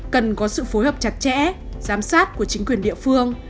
cần có sự phối hợp chặt chẽ giám sát của chính quyền địa phương